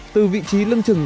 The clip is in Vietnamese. từ vị trí lưng chừng